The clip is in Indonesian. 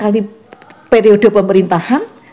empat kali periode pemerintahan